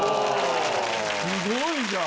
すごいじゃん！